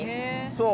そう。